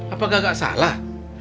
apakah gak salah